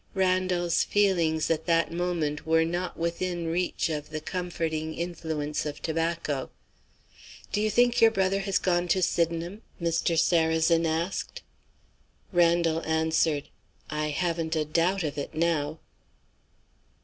Randal's feelings, at that moment, were not within reach of the comforting influence of tobacco. "Do you think your brother has gone to Sydenham?" Mr. Sarrazin asked. Randal answered: "I haven't a doubt of it now."